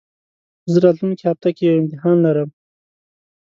زه راتلونکي هفته کي يو امتحان لرم